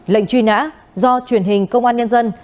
lệnh truy nã do truyền hình công an nhân dân